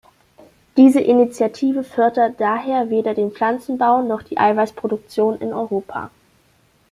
Diese Initiative fördert daher weder den Pflanzenbau noch die Eiweißproduktion in Europa.